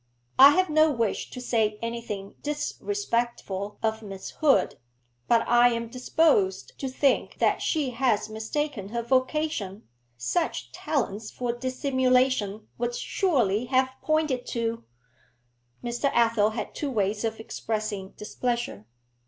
I have no wish to say anything disrespectful of Miss Hood, but I am disposed to think that she has mistaken her vocation; such talents for dissimulation would surely have pointed to ' Mr. Athel had two ways of expressing displeasure.